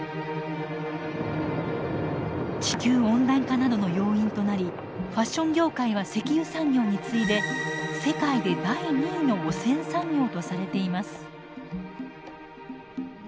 地球温暖化などの要因となりファッション業界は石油産業に次いで世界で第２位の汚染産業とされています。